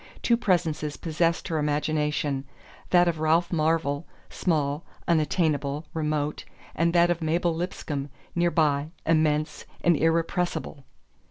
Two presences possessed her imagination: that of Ralph Marvell, small, unattainable, remote, and that of Mabel Lipscomb, near by, immense and irrepressible.